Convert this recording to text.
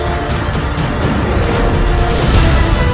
untuk mengembalikan tombak tersebut